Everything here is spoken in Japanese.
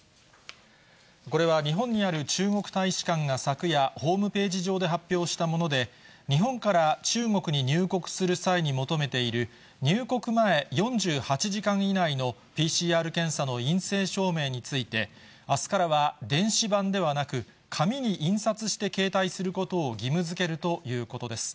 これは日本にある中国大使館が昨夜、ホームページ上で発表したもので、日本から中国に入国する際に求めている、入国前４８時間以内のＰＣＲ検査の陰性証明について、あすからは電子版ではなく、紙に印刷して携帯することを義務づけるということです。